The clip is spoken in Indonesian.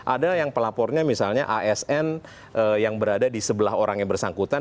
ada yang pelapornya misalnya asn yang berada di sebelah orang yang bersangkutan